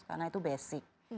karena itu basic